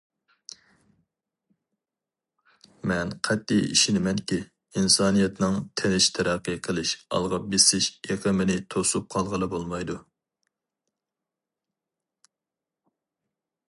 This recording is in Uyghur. مەن قەتئىي ئىشىنىمەنكى، ئىنسانىيەتنىڭ تىنچ تەرەققىي قىلىش، ئالغا بېسىش ئېقىمىنى توسۇپ قالغىلى بولمايدۇ.